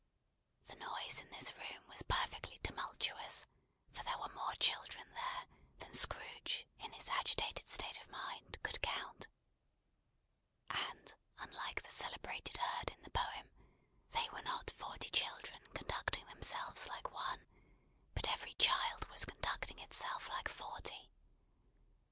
The noise in this room was perfectly tumultuous, for there were more children there, than Scrooge in his agitated state of mind could count; and, unlike the celebrated herd in the poem, they were not forty children conducting themselves like one, but every child was conducting itself like forty.